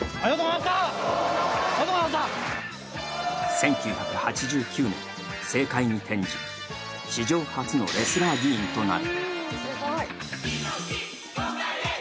１９８９年、政界に転じ、史上初のレスラー議員となる。